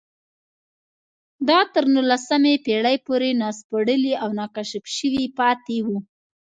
دا تر نولسمې پېړۍ پورې ناسپړلي او ناکشف شوي پاتې وو